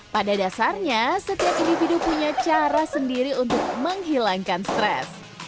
pada dasarnya setiap individu punya cara sendiri untuk menghilangkan stres